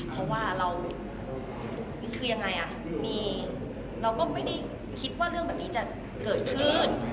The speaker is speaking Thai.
เพราะว่าเราคือยังไงอ่ะมีเราก็ไม่ได้คิดว่าเรื่องแบบนี้จะเกิดขึ้น